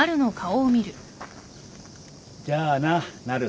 じゃあななる。